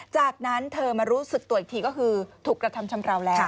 จากนั้นเธอมารู้สึกตัวอีกทีก็คือถูกกระทำชำราวแล้ว